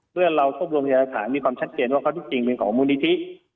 เมื่อเรารวบรวมพยาฐานมีความชัดเจนว่าข้อที่จริงเป็นของมูลนิธิ